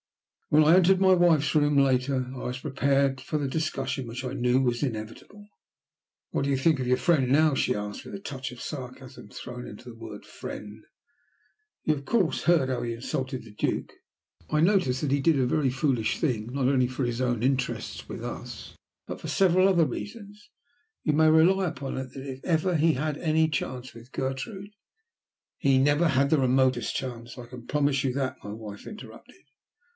When I entered my wife's room later, I was prepared for the discussion which I knew was inevitable. "What do you think of your friend now?" she asked, with a touch of sarcasm thrown into the word "friend." "You of course heard how he insulted the Duke?" "I noticed that he did a very foolish thing, not only for his own interests with us, but also for several other reasons. You may rely upon it that if ever he had any chance with Gertrude " "He never had the remotest chance, I can promise you that," my wife interrupted.